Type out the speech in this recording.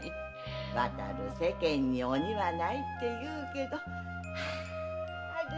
「渡る世間に鬼はない」っていうけどあり